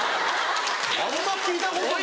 あんま聞いたことない。